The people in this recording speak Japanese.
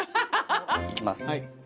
いきます。